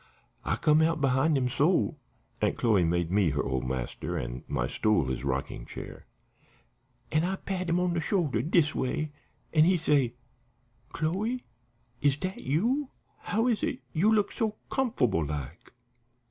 I come out behind him so," Aunt Chloe made me her old master and my stool his rocking chair, "an' I pat him on the shoulder dis way, an' he say, 'Chloe, is dat you? How is it yo' looks so comfble like?'